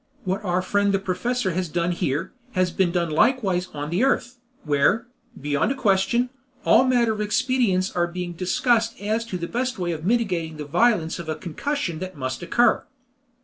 What our friend the professor has done here, has been done likewise on the earth, where, beyond a question, all manner of expedients are being discussed as to the best way of mitigating the violence of a concussion that must occur."